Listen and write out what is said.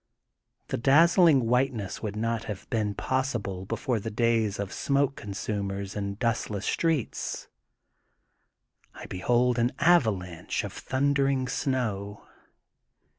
The dazzling whiteness would not have been possible before the days of smoke consumers and dustless streets. I behold an avalanche of thundering snow.